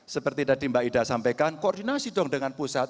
seperti tadi mbak ida sampaikan koordinasi dong dengan pusat